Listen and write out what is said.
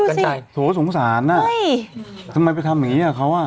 ดูสิโถสงสารน่ะเฮ้ยทำไมไปทำอย่างงี้กับเขาอ่ะ